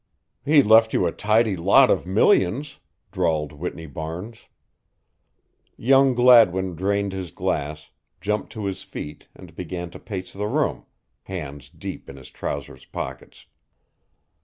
"He left you a tidy lot of millions," drawled Whitney Barnes. Young Gladwin drained his glass, jumped to his feet and began to pace the room, hands deep in his trousers pockets.